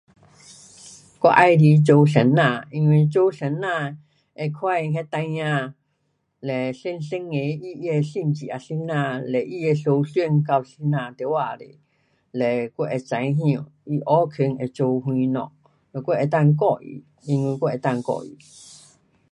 我喜欢做老师，因为做老师会看见那孩儿，嘞新新他的成绩啊怎样。嘞他的思想到这样多少多，嘞我会知晓他后圈会做什么。嘞我能够教他，因为我可以教他。